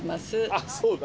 あっそうだ。